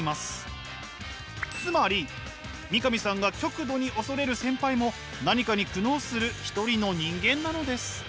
つまり三上さんが極度に恐れる先輩も何かに苦悩するひとりの人間なのです。